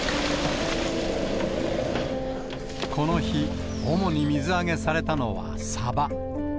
この日、主に水揚げされたのはサバ。